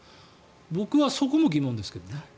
僕はそこも疑問ですけどね。